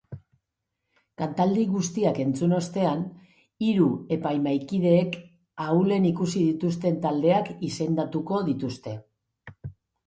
Kantaldi guztiak entzun ostean, hiru epaimahaikideek ahulen ikusi dituzten taldeak izendatuko dituzte.